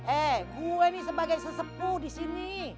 eh gue ini sebagai sesepu di sini